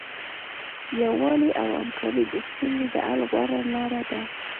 یووالی او همکاري د ستونزو د حل غوره لاره ده.